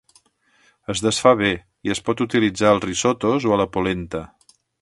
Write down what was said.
Es desfà bé i es pot utilitzar als risottos o a la polenta.